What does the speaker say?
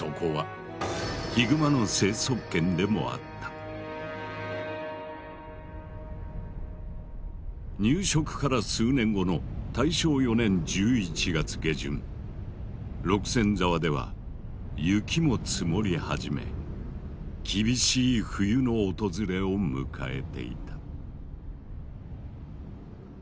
そこは入植から数年後の六線沢では雪も積もり始め厳しい冬の訪れを迎えていた。